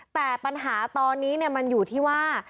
แต่ปัญหาตอนนี้มันอยู่ที่ว่า